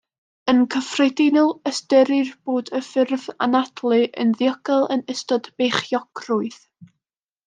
Yn gyffredinol, ystyrir bod y ffurf anadlu yn ddiogel yn ystod beichiogrwydd.